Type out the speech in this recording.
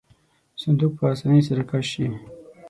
صندوق په آسانۍ سره کش شي.